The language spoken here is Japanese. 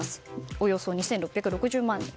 およそ２６６０万人。